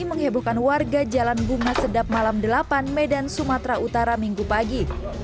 menghebohkan warga jalan bunga sedap malam delapan medan sumatera utara minggu pagi